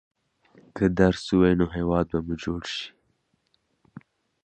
که درس ووايئ نو هېواد به مو جوړ شي.